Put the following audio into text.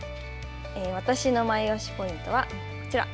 私のマイオシポイントはこちら。